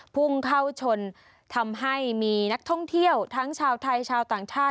พุ่งเข้าชนทำให้มีนักท่องเที่ยวทั้งชาวไทยชาวต่างชาติ